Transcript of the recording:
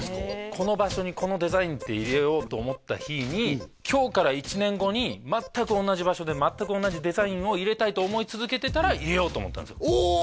この場所にこのデザインって入れようと思った日に今日から１年後に全く同じ場所で全く同じデザインを入れたいと思い続けてたら入れようと思ったんですよおお！